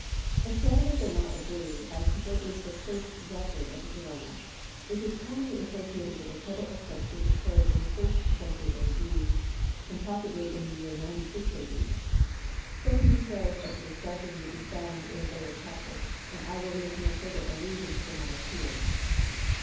Astronomers are not agreed as to what is the first record of the Corona. It is commonly associated with a total eclipse which occurred in the 1st century A.D. and possibly in the year 96 A.D. Some details of the discussion will be found in a later chapter, and I will make no further allusion to the matter here.